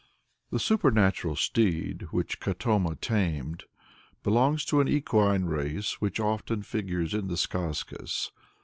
The supernatural steed which Katoma tamed belongs to an equine race which often figures in the Skazkas.